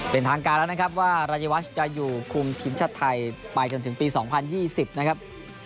เป็นทางการแล้วนะครับว่ารายวัชจะอยู่คุมทีมชาติไทยไปจนถึงปี๒๐๒๐นะครับ